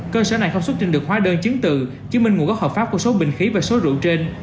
cơ sở này không xuất trình được hóa đơn chứng từ chứng minh nguồn gốc hợp pháp của số bình khí và số rượu trên